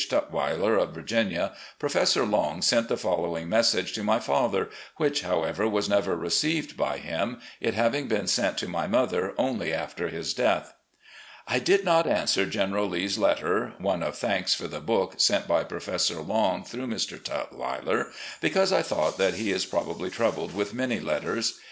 Tutweiler, of Vir ginia, Professor Long sent the following message to my father, which, however, was never received by him, it having been sent to my mother only after his death: "I did not answer General Lee's letter [one of thanks for the book, sent by Professor Long through Mr. Tut weiler], because I thought that he is probably troubled with many letters.